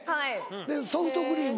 でソフトクリーム。